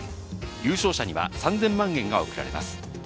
優勝者には３０００万円が贈られます。